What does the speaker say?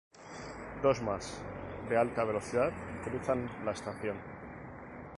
Dos más, de alta velocidad, cruzan la estación.